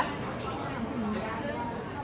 ค่ะ